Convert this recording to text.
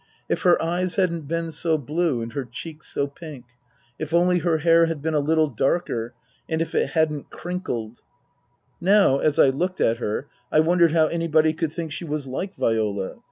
If her eyes hadn't been so blue and her cheeks so pink ; if only her hair had been a little darker and if it hadn't crinkled Now, as I looked at her, I wondered how anybody could think she was like Viola.